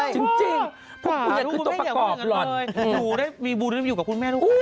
จริงเพราะคุณอยากขึ้นตัวประกอบหล่อนอยู่ได้มีบูรณ์อยู่กับคุณแม่ลูกกัน